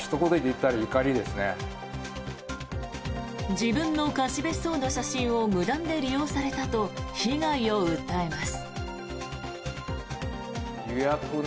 自分の貸別荘の写真を無断で利用されたと被害を訴えます。